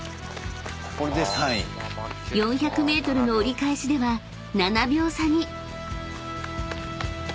［４００ｍの折り返しでは７秒差に］